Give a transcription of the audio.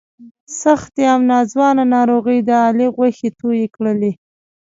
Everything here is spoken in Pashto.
سختې او ناځوانه ناروغۍ د علي غوښې تویې کړلې.